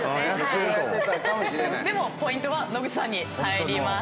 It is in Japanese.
でもポイントは野口さんに入ります。